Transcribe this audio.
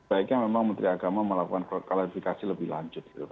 baiknya memang menteri agama melakukan klarifikasi lebih lanjut